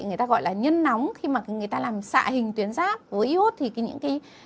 người ta gọi là nhân nóng khi mà người ta làm xạ hình tuyến giáp với iốt thì những cái